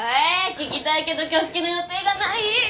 聴きたいけど挙式の予定がない。